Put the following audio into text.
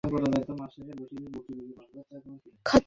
যদিও সেটা আপনাদের ভুল নিরাপত্তার খাতিরে।